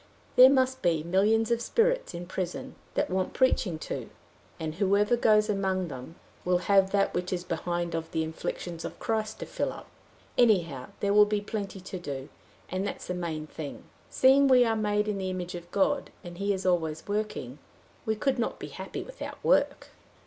There must be millions of spirits in prison that want preaching to; and whoever goes among them will have that which is behind of the afflictions of Christ to fill up. Anyhow there will be plenty to do, and that's the main thing. Seeing we are made in the image of God, and he is always working, we could not be happy without work."